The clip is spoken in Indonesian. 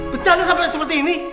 pecahnya sampai seperti ini